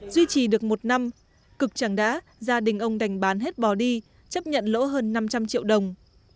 duy trì được một năm cực chẳng đã gia đình ông đành bán hết bò đi chấp nhận lỗ hơn năm trăm linh triệu đồng